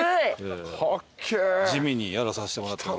地味にやらさせてもらって。